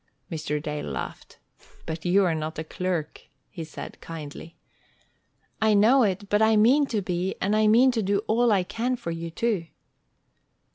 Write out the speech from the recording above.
Mr. Dale laughed. "But you are not a clerk," he said, kindly. "I know it, but I mean to be, and I mean to do all I can for you, too."